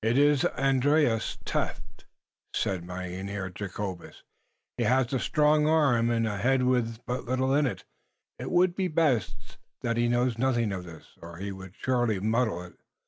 "It iss Andrius Tefft," said Mynheer Jacobus. "He hass a strong arm und a head with but little in it. It would be best that he know nothing of this, or he would surely muddle it."